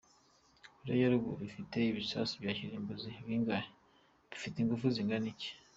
Koreya ya Ruguru ifite ibisasu bya kirimbuzi bingahe, bifite ingufu zingana iki?.